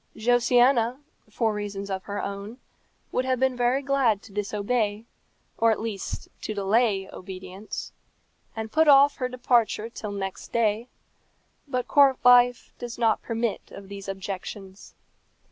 Josiana, for reasons of her own, would have been very glad to disobey, or at least to delay obedience, and put off her departure till next day; but court life does not permit of these objections.